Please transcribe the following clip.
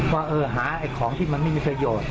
ว่าหาของที่มันไม่มีประโยชน์